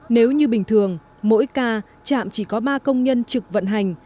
nếu như bình thường mỗi ca trạm chỉ có ba công nhân trực vận hành